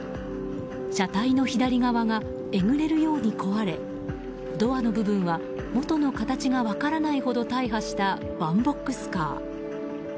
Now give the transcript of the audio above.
車体の左側がえぐれるように壊れドアの部分は元の形が分からないほど大破したワンボックスカー。